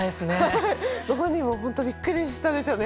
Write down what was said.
ご本人も本当にビックリしたでしょうね。